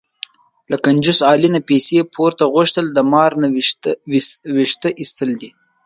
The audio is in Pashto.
له کنجوس علي نه پیسې پور غوښتل، د مار نه وېښته ایستل دي.